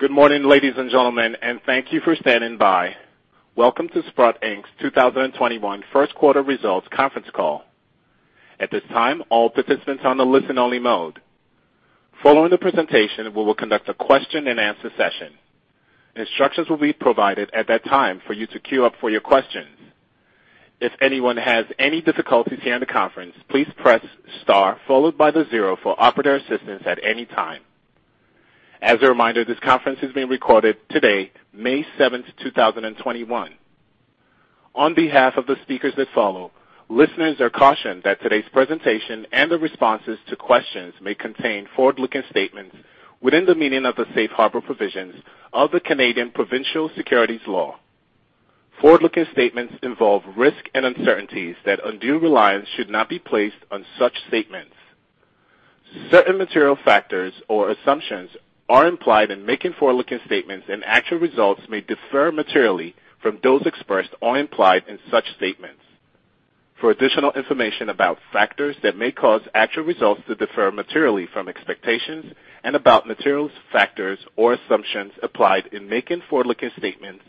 Good morning, ladies and gentlemen, and thank you for standing by. Welcome to Sprott Inc's 2021 first quarter results conference call. At this time, all participants are on listen-only mode. Following the presentation, we will conduct a question and answer session. Instructions will be provided at that time for you to queue up for your questions. If anyone has any difficulties during the conference, please press star followed by the zero for operator assistance at any time. As a reminder, this conference is being recorded today, May 7th, 2021. On behalf of the speakers that follow, listeners are cautioned that today's presentation and the responses to questions may contain forward-looking statements within the meaning of the safe harbor provisions of the Canadian provincial securities law. Forward-looking statements involve risks and uncertainties that undue reliance should not be placed on such statements. Certain material factors or assumptions are implied in making forward-looking statements, and actual results may differ materially from those expressed or implied in such statements. For additional information about factors that may cause actual results to differ materially from expectations and about materials, factors, or assumptions applied in making forward-looking statements,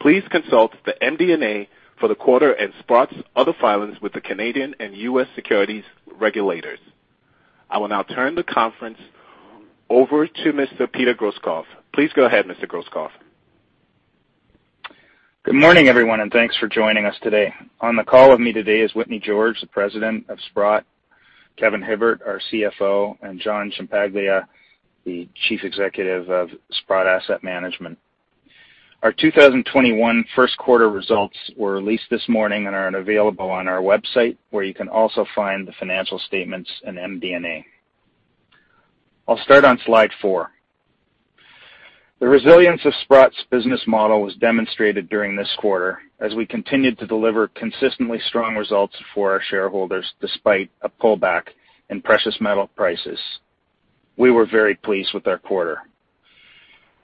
please consult the MD&A for the quarter and Sprott's other filings with the Canadian and U.S. securities regulators. I will now turn the conference over to Mr. Peter Grosskopf. Please go ahead, Mr. Grosskopf. Good morning, everyone, and thanks for joining us today. On the call with me today is Whitney George, the President of Sprott; Kevin Hibbert, our CFO; and John Ciampaglia, the Chief Executive of Sprott Asset Management. Our 2021 first-quarter results were released this morning and are available on our website, where you can also find the financial statements and MD&A. I'll start on slide four. The resilience of Sprott's business model was demonstrated during this quarter as we continued to deliver consistently strong results for our shareholders, despite a pullback in precious metal prices. We were very pleased with our quarter.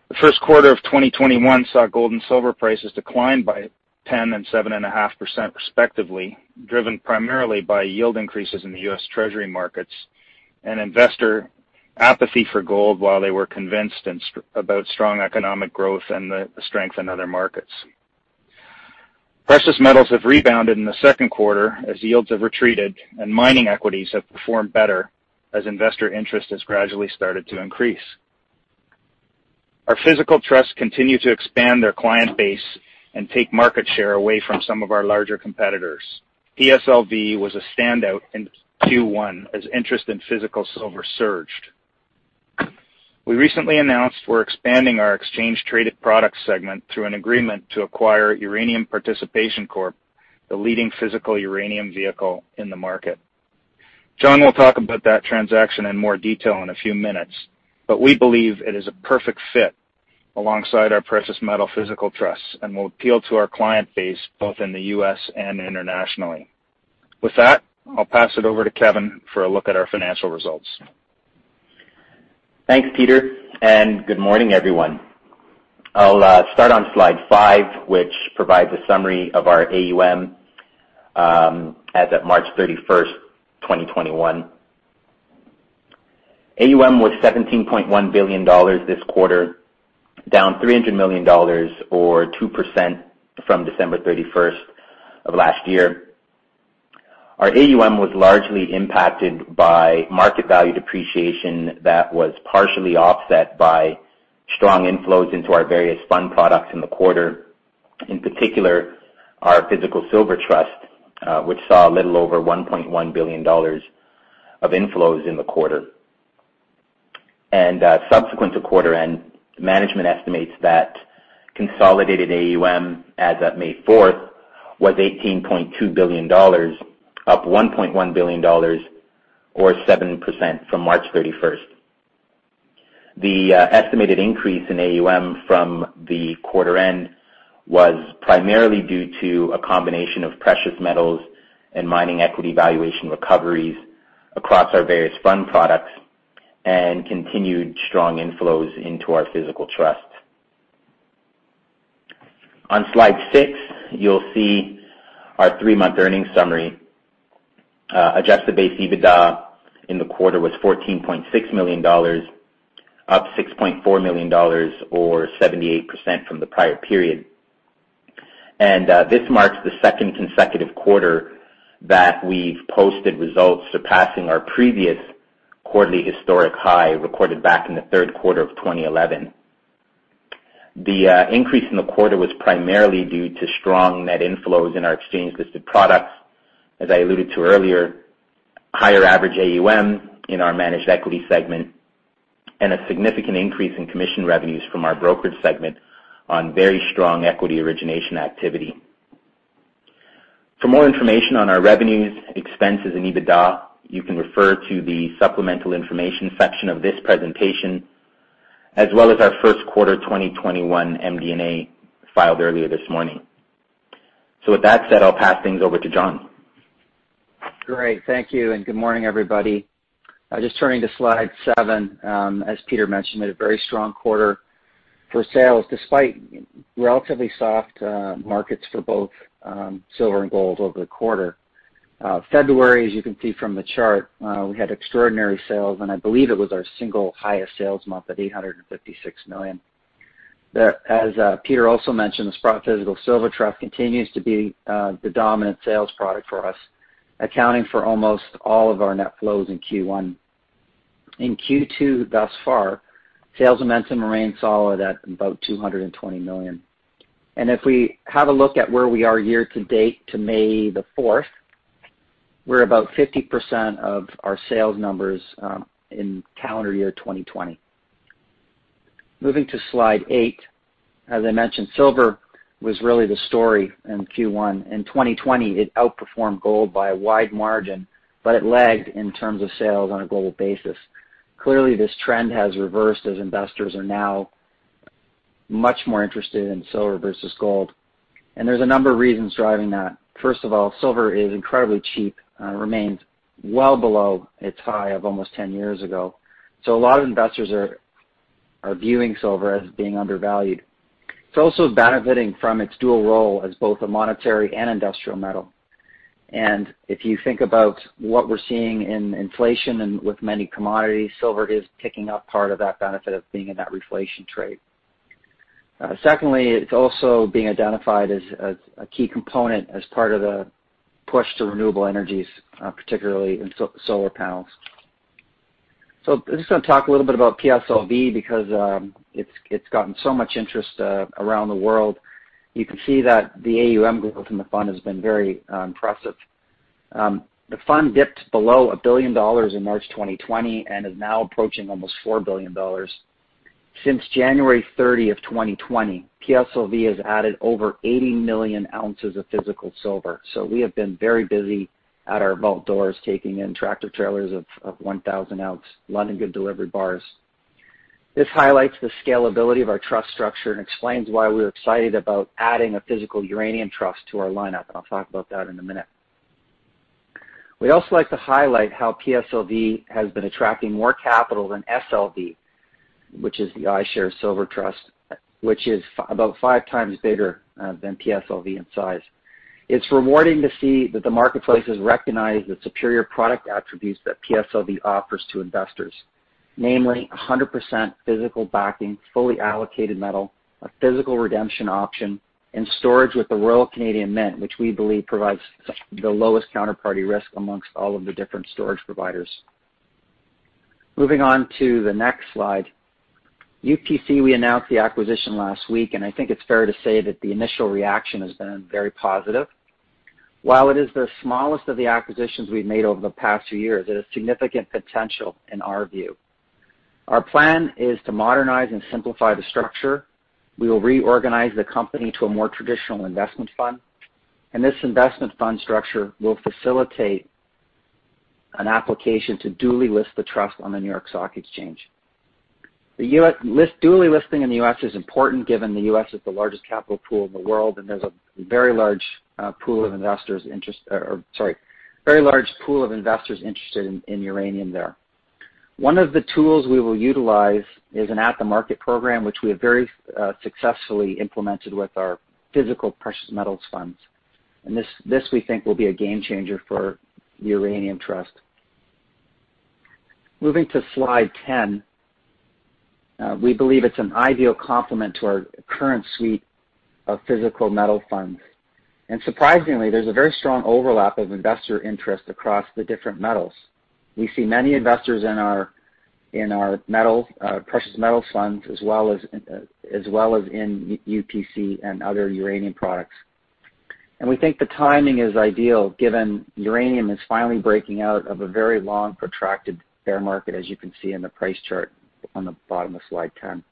The first quarter of 2021 saw gold and silver prices decline by 10% and 7.5%, respectively, driven primarily by yield increases in the U.S. Treasury markets and investor apathy for gold while they were convinced about strong economic growth and the strength in other markets. Precious metals have rebounded in the second quarter as yields have retreated, and mining equities have performed better as investor interest has gradually started to increase. Our physical trusts continue to expand their client base and take market share away from some of our larger competitors. PSLV was a standout in Q1 as interest in physical silver surged. We recently announced we're expanding our exchange-traded product segment through an agreement to acquire Uranium Participation Corp, the leading physical uranium vehicle in the market. John will talk about that transaction in more detail in a few minutes, but we believe it is a perfect fit alongside our precious metal physical trusts and will appeal to our client base both in the U.S. and internationally. With that, I'll pass it over to Kevin for a look at our financial results. Thanks, Peter. Good morning, everyone. I'll start on slide five, which provides a summary of our AUM as of March 31st, 2021. AUM was $17.1 billion this quarter, down $300 million or 2% from December 31st of last year. Our AUM was largely impacted by market value depreciation that was partially offset by strong inflows into our various fund products in the quarter. In particular, our Physical Silver Trust, which saw a little over $1.1 billion of inflows in the quarter. Subsequent to quarter end, management estimates that consolidated AUM as of May 4th was $18.2 billion, up $1.1 billion or 7% from March 31st. The estimated increase in AUM from the quarter end was primarily due to a combination of precious metals and mining equity valuation recoveries across our various fund products and continued strong inflows into our physical trusts. On slide six, you'll see our three-month earnings summary. Adjusted base EBITDA in the quarter was $14.6 million, up $6.4 million or 78% from the prior period. This marks the second consecutive quarter that we've posted results surpassing our previous quarterly historic high recorded back in the third quarter of 2011. The increase in the quarter was primarily due to strong net inflows in our exchange-listed products, as I alluded to earlier, higher average AUM in our managed equity segment, and a significant increase in commission revenues from our brokerage segment on very strong equity origination activity. For more information on our revenues, expenses, and EBITDA, you can refer to the supplemental information section of this presentation, as well as our first quarter 2021 MD&A filed earlier this morning. With that said, I'll pass things over to John. Great. Thank you, good morning, everybody. Just turning to slide seven. As Peter mentioned, we had a very strong quarter for sales, despite relatively soft markets for both silver and gold over the quarter. February, as you can see from the chart, we had extraordinary sales, and I believe it was our single highest sales month at $856 million. As Peter also mentioned, the Sprott Physical Silver Trust continues to be the dominant sales product for us, accounting for almost all of our net flows in Q1. In Q2 thus far, sales momentum remained solid at about $220 million. If we have a look at where we are year to date to May 4th, we're about 50% of our sales numbers in calendar year 2020. Moving to slide eight. As I mentioned, silver was really the story in Q1. In 2020, it outperformed gold by a wide margin, but it lagged in terms of sales on a global basis. Clearly, this trend has reversed as investors are now much more interested in silver versus gold. There's a number of reasons driving that. First of all, silver is incredibly cheap, remains well below its high of almost 10 years ago. A lot of investors are viewing silver as being undervalued. It's also benefiting from its dual role as both a monetary and industrial metal. If you think about what we're seeing in inflation and with many commodities, silver is picking up part of that benefit of being in that reflation trade. Secondly, it's also being identified as a key component as part of the push to renewable energies, particularly in solar panels. I'm just going to talk a little bit about PSLV because it's gotten so much interest around the world. You can see that the AUM growth in the fund has been very impressive. The fund dipped below $1 billion in March 2020 and is now approaching almost $4 billion. Since January 30th, 2020, PSLV has added over 80 million ounces of physical silver. We have been very busy at our vault doors, taking in tractor trailers of 1,000 oz London Good Delivery bars. This highlights the scalability of our trust structure and explains why we're excited about adding a physical uranium trust to our lineup, and I'll talk about that in a minute. We'd also like to highlight how PSLV has been attracting more capital than SLV, which is the iShares Silver Trust, which is about five times bigger than PSLV in size. It's rewarding to see that the marketplace has recognized the superior product attributes that PSLV offers to investors, namely 100% physical backing, fully allocated metal, a physical redemption option, and storage with the Royal Canadian Mint, which we believe provides the lowest counterparty risk amongst all of the different storage providers. Moving on to the next slide. UPC, we announced the acquisition last week, and I think it's fair to say that the initial reaction has been very positive. While it is the smallest of the acquisitions we've made over the past few years, it has significant potential in our view. Our plan is to modernize and simplify the structure. We will reorganize the company to a more traditional investment fund, and this investment fund structure will facilitate an application to duly list the trust on the New York Stock Exchange. Duly listing in the U.S. is important given the U.S. is the largest capital pool in the world, and there's a very large pool of investors interested in uranium there. One of the tools we will utilize is an at-the-market program, which we have very successfully implemented with our physical precious metals funds. This, we think, will be a game changer for Uranium Trust. Moving to slide 10. We believe it's an ideal complement to our current suite of physical metal funds. Surprisingly, there's a very strong overlap of investor interest across the different metals. We see many investors in our precious metal funds, as well as in UPC and other uranium products. We think the timing is ideal given uranium is finally breaking out of a very long, protracted bear market, as you can see in the price chart on the bottom of slide 10.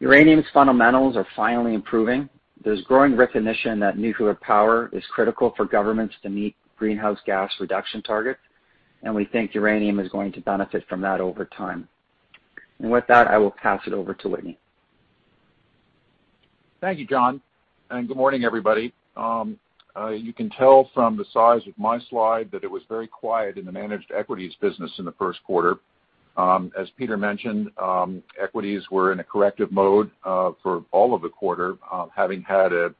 Uranium's fundamentals are finally improving. There's growing recognition that nuclear power is critical for governments to meet greenhouse gas reduction targets, and we think uranium is going to benefit from that over time. With that, I will pass it over to Whitney. Thank you, John. Good morning, everybody. You can tell from the size of my slide that it was very quiet in the managed equities business in the first quarter. As Peter mentioned, equities were in a corrective mode for all of the quarter, having had a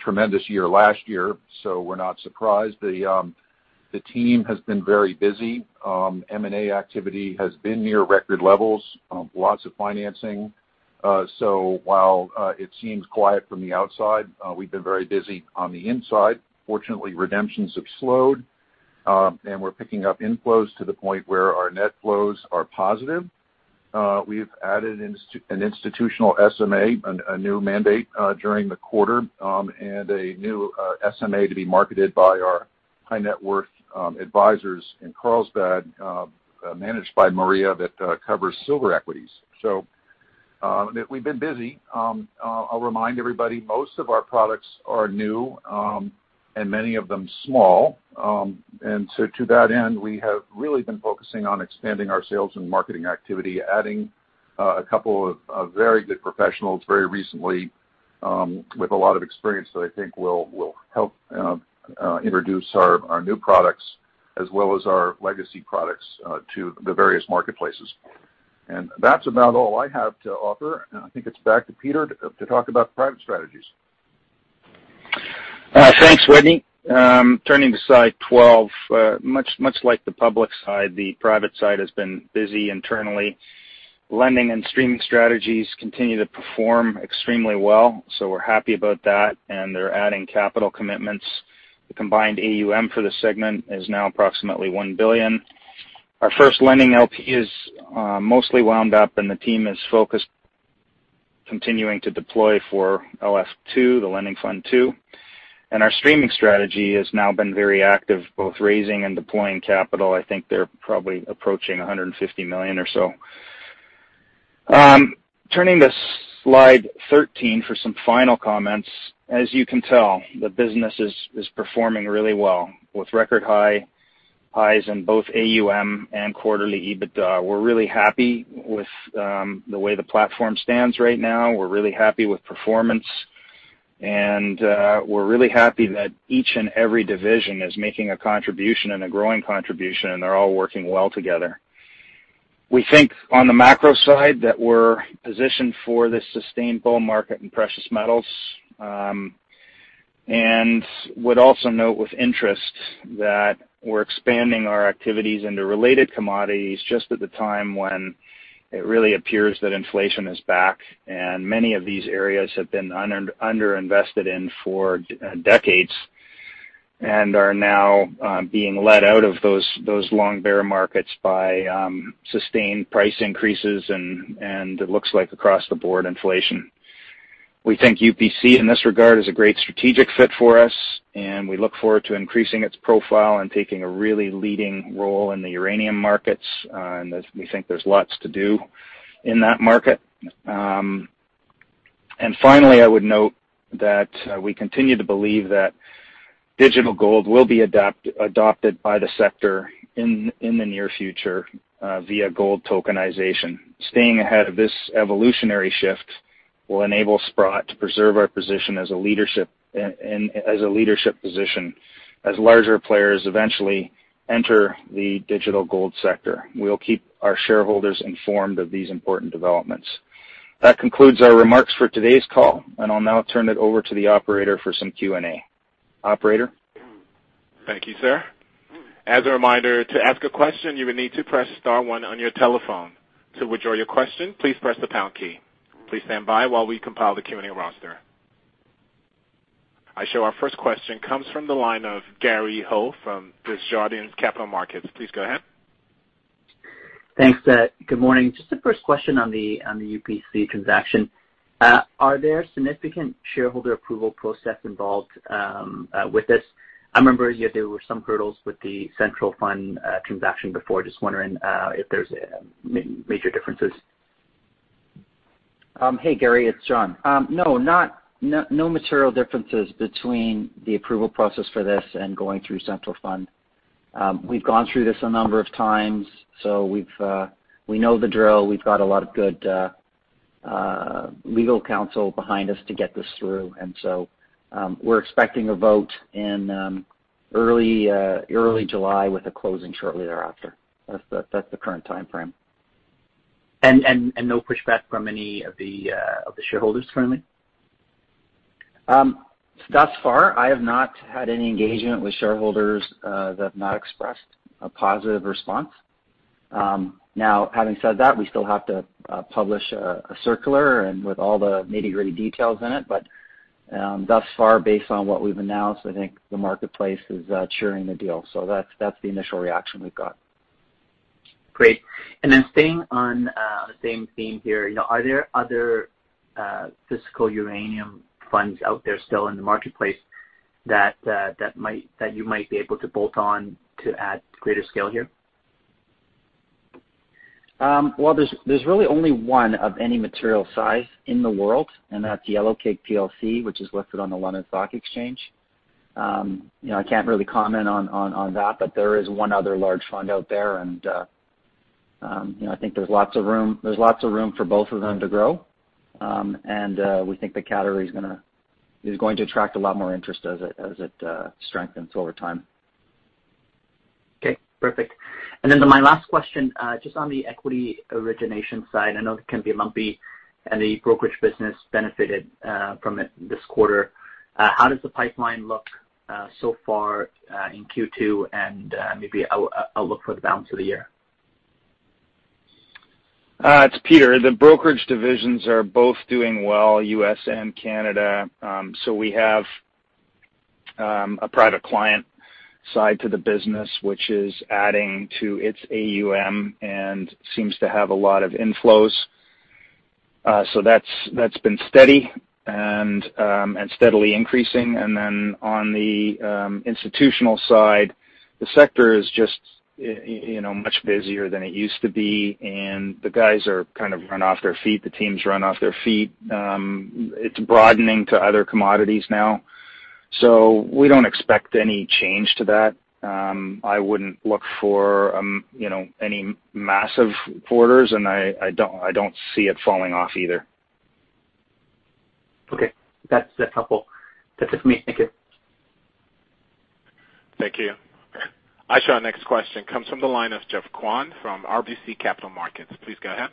tremendous year last year. We're not surprised. The team has been very busy. M&A activity has been near record levels. Lots of financing. While it seems quiet from the outside, we've been very busy on the inside. Fortunately, redemptions have slowed, and we're picking up inflows to the point where our net flows are positive. We've added an institutional SMA, a new mandate, during the quarter, and a new SMA to be marketed by our high net worth advisors in Carlsbad, managed by Maria, that covers silver equities. We've been busy. I'll remind everybody, most of our products are new, and many of them small. To that end, we have really been focusing on expanding our sales and marketing activity, adding a couple of very good professionals very recently, with a lot of experience that I think will help introduce our new products as well as our legacy products to the various marketplaces. And that's about all I have to offer. I think it's back to Peter to talk about private strategies. Thanks, Whitney. Turning to slide 12, much like the public side, the private side has been busy internally. Lending and streaming strategies continue to perform extremely well. We're happy about that, and they're adding capital commitments. The combined AUM for the segment is now approximately $1 billion. Our first lending LP is mostly wound up, and the team is focused on continuing to deploy for LF-II, the Lending Fund II. Our streaming strategy has now been very active, both raising and deploying capital. I think they're probably approaching $150 million or so. Turning to slide 13 for some final comments. As you can tell, the business is performing really well with record highs in both AUM and quarterly EBITDA. We're really happy with the way the platform stands right now. We're really happy with performance. We're really happy that each and every division is making a contribution and a growing contribution, and they're all working well together. We think on the macro side that we're positioned for this sustained bull market in precious metals. Would also note with interest that we're expanding our activities into related commodities just at the time when it really appears that inflation is back, and many of these areas have been underinvested in for decades and are now being let out of those long bear markets by sustained price increases and it looks like across the board inflation. We think UPC in this regard is a great strategic fit for us, and we look forward to increasing its profile and taking a really leading role in the uranium markets, and we think there's lots to do in that market. Finally, I would note that we continue to believe that digital gold will be adopted by the sector in the near future via gold tokenization. Staying ahead of this evolutionary shift will enable Sprott to preserve our position as a leadership position as larger players eventually enter the digital gold sector. We'll keep our shareholders informed of these important developments. That concludes our remarks for today's call, and I'll now turn it over to the operator for some Q&A. Operator? Thank you, sir. As a reminder, to ask a question, you will need to press star one on your telephone. To withdraw your question, please press the pound key. Please stand by while we compile the Q&A roster. I show our first question comes from the line of Gary Ho from Desjardins Capital Markets. Please go ahead. Thanks. Good morning. Just the first question on the UPC transaction. Are there significant shareholder approval process involved with this? I remember, there were some hurdles with the Central Fund transaction before. Just wondering if there's major differences. Gary, it's John. No material differences between the approval process for this and going through Central Fund. We've gone through this a number of times, we know the drill. We've got a lot of good legal counsel behind us to get this through. We're expecting a vote in early July with a closing shortly thereafter. That's the current timeframe. No pushback from any of the shareholders currently? Thus far, I have not had any engagement with shareholders that have not expressed a positive response. Having said that, we still have to publish a circular and with all the nitty-gritty details in it. Thus far, based on what we've announced, I think the marketplace is cheering the deal. That's the initial reaction we've got. Great. Then staying on the same theme here, are there other physical uranium funds out there still in the marketplace that you might be able to bolt on to add greater scale here? Well, there's really only one of any material size in the world, and that's Yellow Cake plc, which is listed on the London Stock Exchange. I can't really comment on that, but there is one other large fund out there, and I think there's lots of room for both of them to grow. We think the category is going to attract a lot more interest as it strengthens over time. Okay, perfect. My last question, just on the equity origination side, I know it can be lumpy and the brokerage business benefited from it this quarter. How does the pipeline look so far in Q2 and maybe outlook for the balance of the year? It's Peter. The brokerage divisions are both doing well, U.S. and Canada. We have a private client side to the business, which is adding to its AUM and seems to have a lot of inflows. That's been steady and steadily increasing. On the institutional side, the sector is just much busier than it used to be, and the guys are kind of run off their feet. The team's run off their feet. It's broadening to other commodities now. We don't expect any change to that. I wouldn't look for any massive quarters, and I don't see it falling off either. Okay. That's helpful. That's it for me. Thank you. Thank you. Ayesha, next question comes from the line of Geoffrey Kwan from RBC Capital Markets. Please go ahead.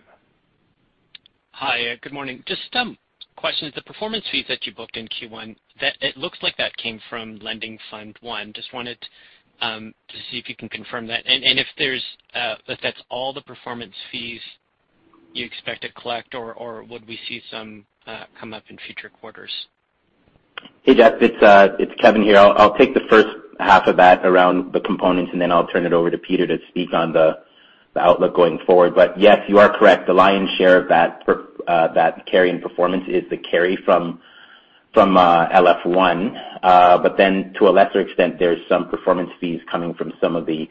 Hi, good morning. Just some questions. The performance fees that you booked in Q1, it looks like that came from Lending Fund I. Just wanted to see if you can confirm that. If that's all the performance fees you expect to collect or would we see some come up in future quarters? Hey, Geoff, it's Kevin here. I'll take the first half of that around the components, then I'll turn it over to Peter to speak on the outlook going forward. Yes, you are correct. The lion's share of that carry in performance is the carry from LF-I. Then to a lesser extent, there's some performance fees coming from some of the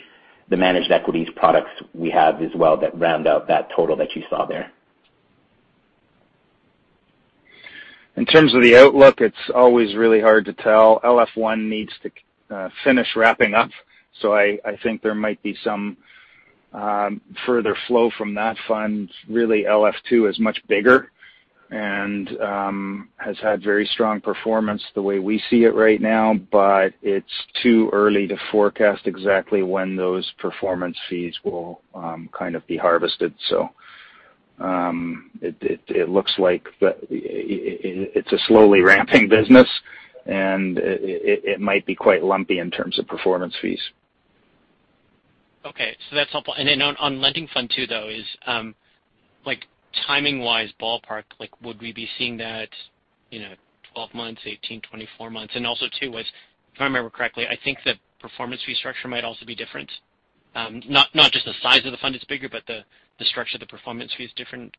managed equities products we have as well that round out that total that you saw there. In terms of the outlook, it's always really hard to tell. LF-I needs to finish wrapping up, so I think there might be some further flow from that fund. Really, LF-II is much bigger and has had very strong performance the way we see it right now, but it's too early to forecast exactly when those performance fees will be harvested. It looks like it's a slowly ramping business and it might be quite lumpy in terms of performance fees. That's helpful. On Lending Fund II, though, timing-wise, ballpark, would we be seeing that 12 months, 18, 24 months? Also too was, if I remember correctly, I think the performance fee structure might also be different. Not just the size of the fund is bigger, but the structure of the performance fee is different.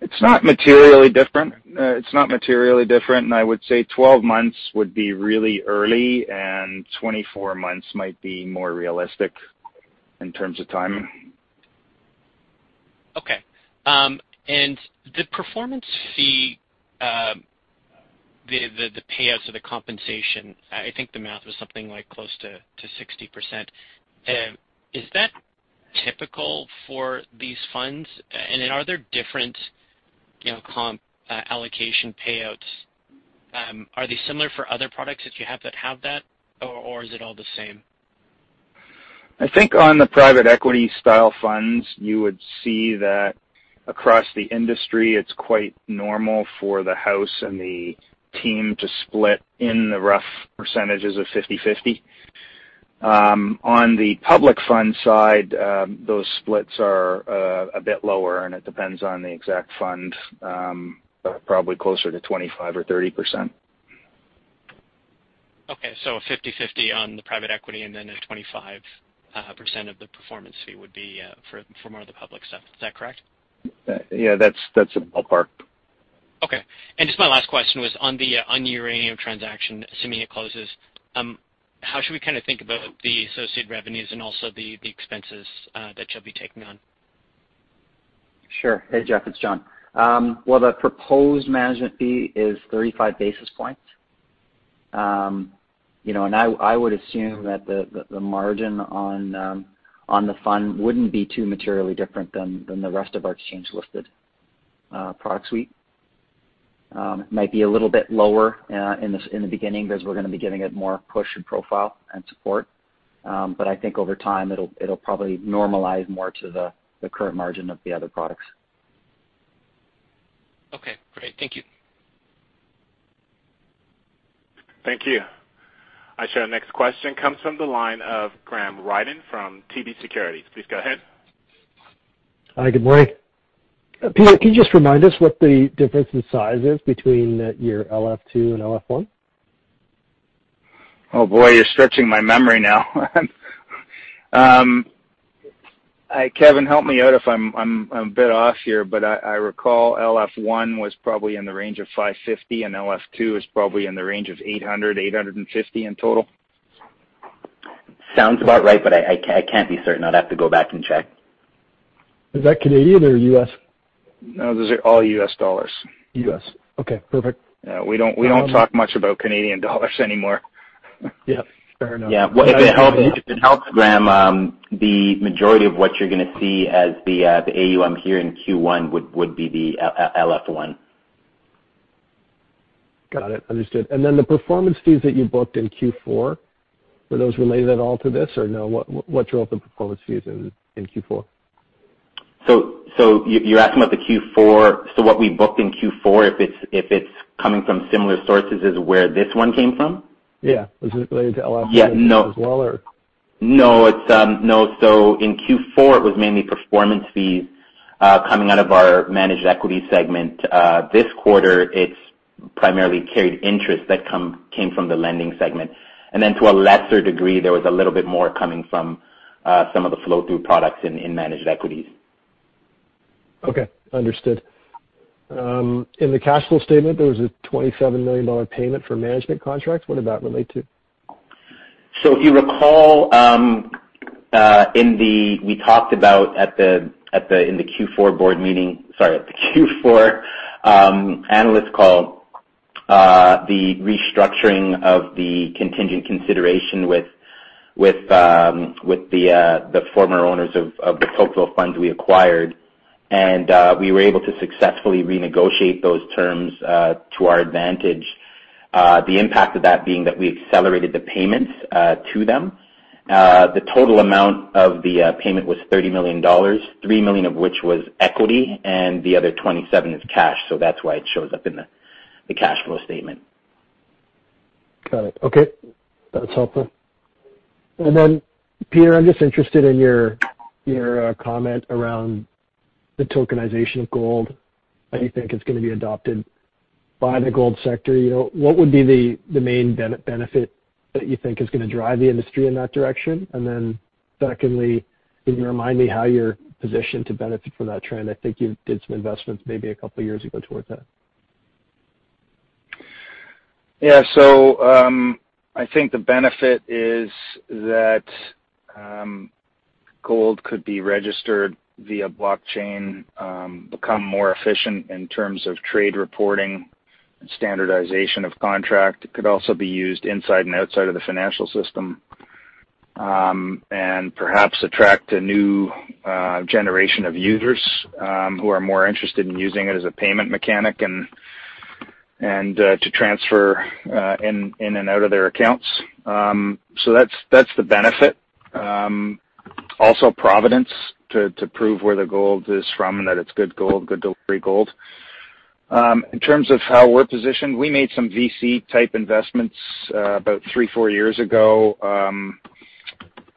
It's not materially different. It's not materially different. I would say 12 months would be really early, and 24 months might be more realistic in terms of timing. Okay. The performance fee, the payouts or the compensation, I think the math was something close to 60%. Is that typical for these funds? Are there different comp allocation payouts? Are they similar for other products that you have that have that, or is it all the same? I think on the private equity style funds, you would see that across the industry, it's quite normal for the house and the team to split in the rough percentages of 50/50. On the public fund side, those splits are a bit lower, and it depends on the exact fund. Probably closer to 25% or 30%. Okay, 50/50 on the private equity, at 25% of the performance fee would be for more of the public stuff. Is that correct? Yeah, that's a ballpark. Okay. Just my last question was on the uranium transaction, assuming it closes, how should we think about the associated revenues and also the expenses that you'll be taking on? Sure. Hey, Geoff, it's John. Well, the proposed management fee is 35 basis points. I would assume that the margin on the fund wouldn't be too materially different than the rest of our exchange-listed product suite. Might be a little bit lower in the beginning because we're going to be giving it more push and profile and support. I think over time it'll probably normalize more to the current margin of the other products. Okay, great. Thank you. Thank you. Ayesha, next question comes from the line of Graham Ryding from TD Securities. Please go ahead. Hi, good morning. Peter, can you just remind us what the difference in size is between your LF-II and LF-I? Oh, boy, you're stretching my memory now. Kevin, help me out if I'm a bit off here, but I recall LF-I was probably in the range of $550 and LF-II is probably in the range of $800-$850 in total. Sounds about right. I can't be certain. I'd have to go back and check. Is that Canadian or U.S.? No, those are all U.S. dollars. U.S. Okay, perfect. Yeah, we don't talk much about Canadian dollars anymore. Yeah, fair enough. Yeah. If it helps, Graham, the majority of what you're going to see as the AUM here in Q1 would be the LF-I. Got it, understood. Then the performance fees that you booked in Q4, were those related at all to this or no? What drove the performance fees in Q4? You're asking about what we booked in Q4, if it's coming from similar sources as where this one came from? Yeah. Was it related to LF-I as well or? No. In Q4, it was mainly performance fees coming out of our managed equity segment. This quarter, it's primarily carried interest that came from the lending segment. To a lesser degree, there was a little bit more coming from some of the flow-through products in managed equities. Okay, understood. In the cash flow statement, there was a $27 million payment for management contracts. What did that relate to? If you recall, we talked about at the Q4 analyst call, the restructuring of the contingent consideration with the former owners of the Tocqueville fund we acquired, we were able to successfully renegotiate those terms to our advantage. The impact of that being that we accelerated the payments to them. The total amount of the payment was $30 million, $3 million of which was equity, the other $27 million is cash. That's why it shows up in the cash flow statement. Got it. Okay. That's helpful. Then, Peter, I'm just interested in your comment around the tokenization of gold. How do you think it's going to be adopted by the gold sector? What would be the main benefit that you think is going to drive the industry in that direction? Then secondly, can you remind me how you're positioned to benefit from that trend? I think you did some investments maybe a couple of years ago towards that. Yeah. I think the benefit is that gold could be registered via blockchain, become more efficient in terms of trade reporting and standardization of contract. It could also be used inside and outside of the financial system, and perhaps attract a new generation of users who are more interested in using it as a payment mechanic and to transfer in and out of their accounts. That's the benefit. Also, provenance to prove where the gold is from and that it's good gold, good delivery gold. In terms of how we're positioned, we made some VC-type investments about three, four years ago.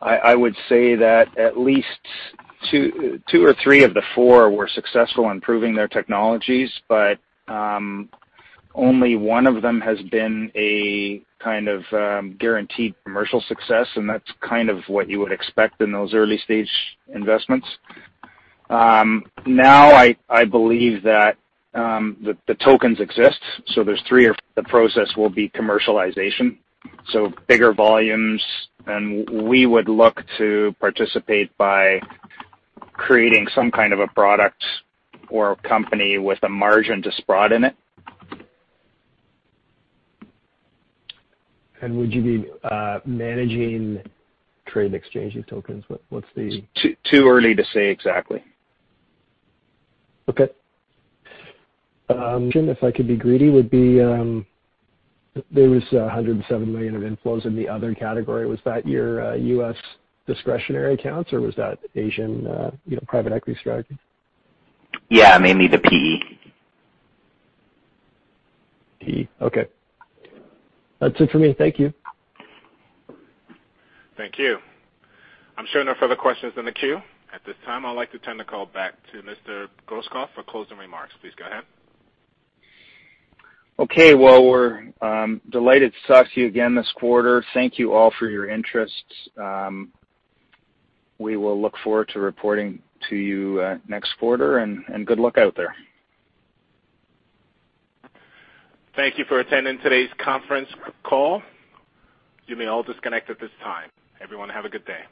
I would say that at least two or three of the four were successful in proving their technologies, but only one of them has been a kind of guaranteed commercial success, and that's kind of what you would expect in those early-stage investments. I believe that the tokens exist, so there's three of the process will be commercialization, so bigger volumes. We would look to participate by creating some kind of a product or a company with a margin to Sprott in it. Would you be managing trade exchange tokens? Too early to say exactly. Okay. If I could be greedy, would be, there was $107 million of inflows in the other category. Was that your U.S. discretionary accounts, or was that Asian private equity strategy? Yeah, mainly the PE. PE, okay. That's it for me. Thank you. Thank you. I'm showing no further questions in the queue. At this time, I'd like to turn the call back to Mr. Grosskopf for closing remarks. Please go ahead. Well, we're delighted to talk to you again this quarter. Thank you all for your interest. We will look forward to reporting to you next quarter, and good luck out there. Thank you for attending today's conference call. You may all disconnect at this time. Everyone, have a good day.